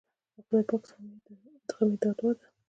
له خدای پاک څخه مي دا دعا ده